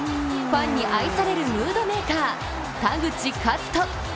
ファンに愛されるムードメーカー・田口麗斗。